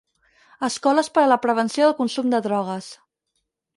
Escoles per a la prevenció del consum de drogues.